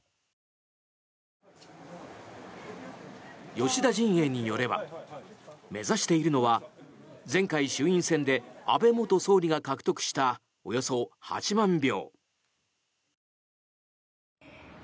吉田陣営によれば目指しているのは前回、衆院選で安倍元総理が獲得したおよそ８万票。